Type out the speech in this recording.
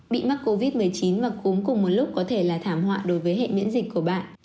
bị mắc covid một mươi chín và cuối cùng một lúc có thể là thảm họa đối với hệ miễn dịch của bạn